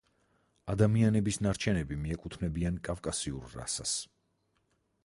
ადამიანების ნარჩენები მიეკუთვნებიან კავკასიურ რასას.